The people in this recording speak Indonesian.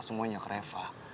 gak semuanya ke reva